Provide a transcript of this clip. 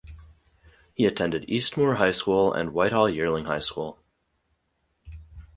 He attended Eastmoor High School and Whitehall-Yearling High School.